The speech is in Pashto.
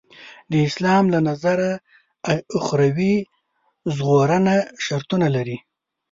د اسلام له نظره اخروي ژغورنه شرطونه لري.